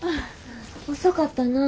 遅かったなぁ。